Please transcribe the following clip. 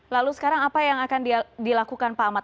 lalu sekarang apa yang akan dilakukan pak ahmad